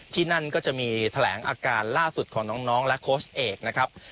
ที่นั่นก็จะมีแถลงอาการล่าสุดของน้องและโค้ชเอกนะครับ